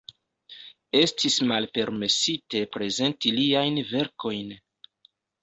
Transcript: Estis malpermesite prezenti liajn verkojn.